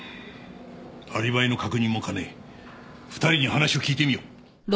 アリバイの確認も兼ね２人に話を聞いてみよう。